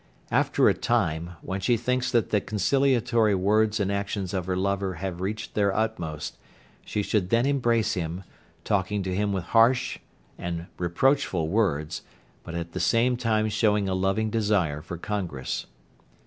After a time, when she thinks that the conciliatory words and actions of her lover have reached their utmost, she should then embrace him, talking to him with harsh and reproachful words, but at the same time showing a loving desire for congress.